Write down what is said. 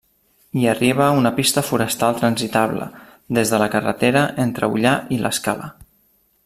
Hi arriba una pista forestal transitable des de la carretera entre Ullà i l'Escala.